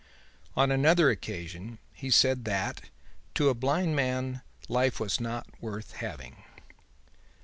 On another occasion he said that "to a blind man life was not worth living."